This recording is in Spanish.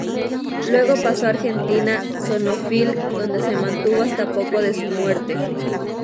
Luego pasó a Argentina Sono Film donde se mantuvo hasta poco de su muerte.